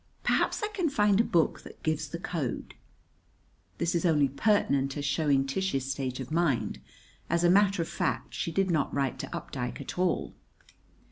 Perhaps I can find a book that gives the code." [This is only pertinent as showing Tish's state of mind. As a matter of fact, she did not write to Updike at all.